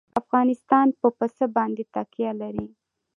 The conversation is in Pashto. افغانستان په پسه باندې تکیه لري.